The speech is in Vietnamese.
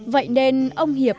vậy nên ông hiệp